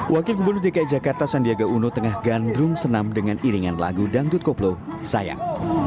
wakil gubernur dki jakarta sandiaga uno tengah gandrung senam dengan iringan lagu dangdut koplo sayang